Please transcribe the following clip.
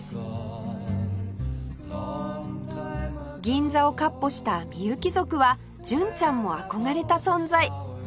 銀座を闊歩したみゆき族は純ちゃんも憧れた存在